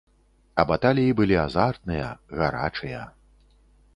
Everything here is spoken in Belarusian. А баталіі былі азартныя, гарачыя.